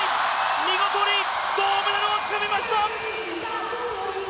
見事に銅メダルをつかみました！